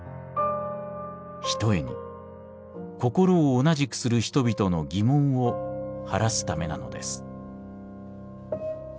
ひとえに心を同じくする人々の疑問を晴らすためなのです」。